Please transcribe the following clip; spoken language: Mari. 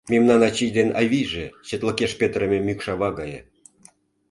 Мемнан ачий ден авийже — четлыкеш петырыме мӱкшава гае.